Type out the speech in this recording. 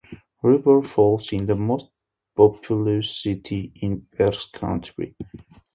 River Falls is the most populous city in Pierce county.